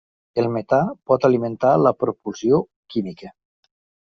El metà pot alimentar la propulsió química.